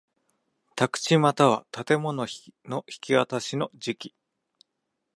宅地又は建物の引渡しの時期